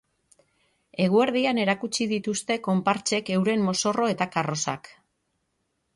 Eguerdian erakutsi dituzte konpartsek heuren mozorro eta karrozak.